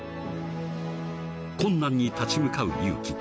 ［困難に立ち向かう勇気］